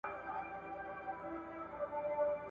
تېرو نسلونو په خپلو منځونو کي سياسي شخړې لرلې.